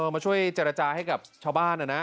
มาช่วยเจรจาให้กับชาวบ้านนะ